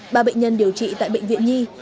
ba bệnh nhân điều trị tại bệnh viện nhi